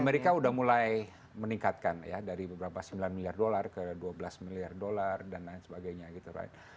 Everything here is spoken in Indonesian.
amerika udah mulai meningkatkan ya dari beberapa sembilan miliar dolar ke dua belas miliar dolar dan lain sebagainya gitu right